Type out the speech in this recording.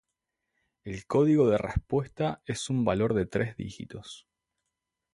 El código de respuesta es un valor de tres dígitos.